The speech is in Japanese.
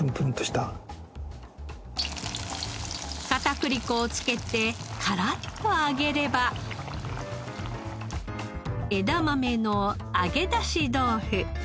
片栗粉をつけてカラッと揚げれば枝豆の揚げ出し豆腐。